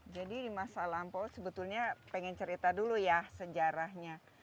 jadi di masa lampau sebetulnya pengen cerita dulu ya sejarahnya